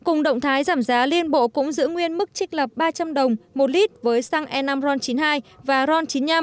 cùng động thái giảm giá liên bộ cũng giữ nguyên mức trích lập ba trăm linh đồng một lít với xăng e năm ron chín mươi hai và ron chín mươi năm